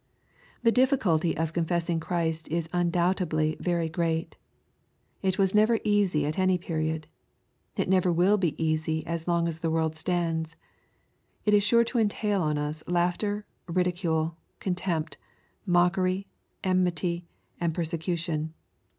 The difficulty of confessing Christ is undoubtedly very great. It never was easy at any period. It never will be easy as long as the world stands. It is sure to entail on us laughter, ridicule, contempt, mockery, enmity, and persecution.